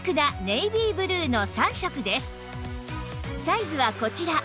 サイズはこちら